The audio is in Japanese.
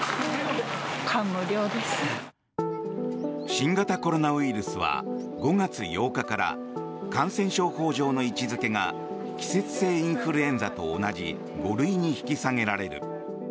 新型コロナウイルスは５月８日から感染症法上の位置付けが季節性インフルエンザと同じ５類に引き下げられる。